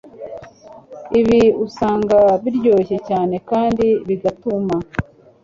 Ibi usanga biryoshye cyane kandi bigatuma